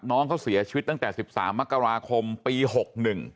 น้องเขาเสียชีวิตตั้งแต่๑๓มกราคมปี๖หนึ่ง